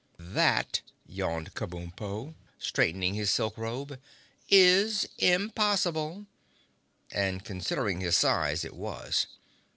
"That," yawned Kabumpo, straightening his silk robe, "is impossible!" And, considering his size it was.